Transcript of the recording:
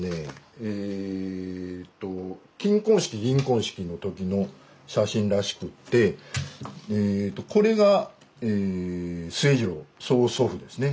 えと金婚式銀婚式の時の写真らしくってこれが末治郎曽祖父ですね。